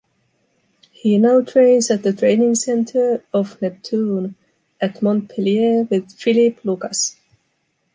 He now trains at the training center of Neptune at Montpellier with Philippe Lucas.